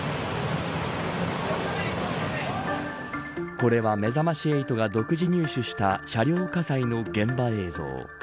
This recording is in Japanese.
これはめざまし８が独自入手した車両火災の現場映像。